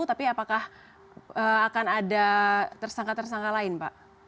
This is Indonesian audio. tapi apakah akan ada tersangka tersangka lain pak